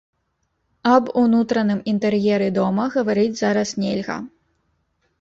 Аб унутраным інтэр'еры дома гаварыць зараз нельга.